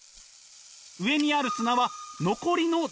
上にある砂は残りの人生です。